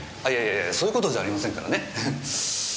いやいやそういう事じゃありませんからね。